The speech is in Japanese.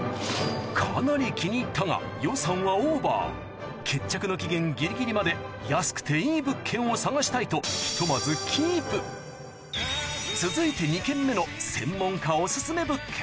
かなり気に入ったが予算はオーバー決着の期限ギリギリまで安くていい物件を探したいとひとまず続いて専門家